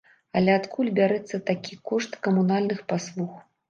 Але адкуль бярэцца такі кошт камунальных паслуг?